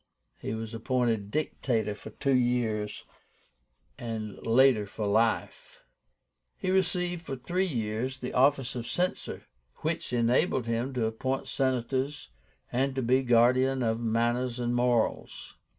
He was appointed Dictator for two years, and later for life. He received for three years the office of Censor, which enabled him to appoint Senators, and to be guardian of manners and morals.